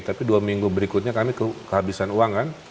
tapi dua minggu berikutnya kami kehabisan uang kan